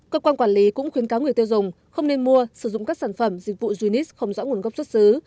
cơ quan quản lý cũng khuyến cáo người tiêu dùng không nên mua sử dụng các sản phẩm dịch vụ junis không rõ nguồn gốc xuất xứ